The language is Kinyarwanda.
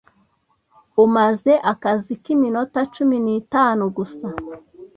Umaze akazi nkiminota cumi nitanu gusa.